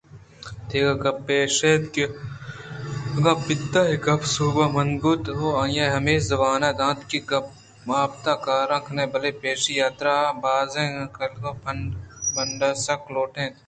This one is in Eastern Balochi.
دگہ گپے ایش اِنت کہ اگاں پت اے گپ ءَ سوب مند بوت ءُآئیءَ ہمے زبان دنت کہ آپت ءِ کاران کنت بلئے پریشی ءِ حاترا آبازیں کاگد ءُبنڈاسک لوٹ اِنت